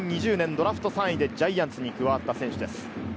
ドラフト３位でジャイアンツに加わった選手です。